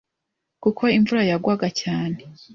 kuko imvura yagwaga cyane